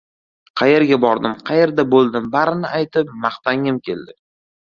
Qayerga bordim, qayerda bo‘ldim, barini aytib, maqtangim keldi.